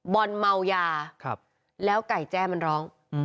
บอนด์เม่ายาแล้วกะแจ่มันร้อง